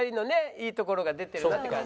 いいところが出てるなって感じ。